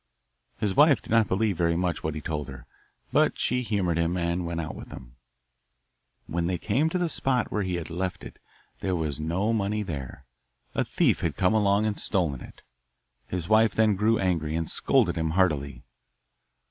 His wife did not believe very much what he told her, but she humoured him, and went out with him. When they came to the spot where he had left it there was no money there; a thief had come along and stolen it. His wife then grew angry and scolded him heartily.